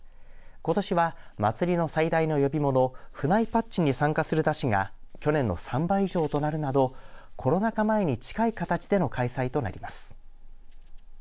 ことしは、祭りの最大の呼び物府内戦紙に参加する山車が去年の３倍以上となるなどコロナ禍前に近い形での開催となります。